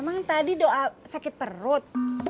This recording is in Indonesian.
emang tadi doa sakit perut